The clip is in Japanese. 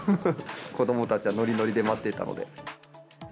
子どもたちはのりのりで待っていたので。